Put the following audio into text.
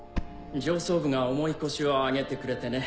上層部が重い腰を上げてくれてね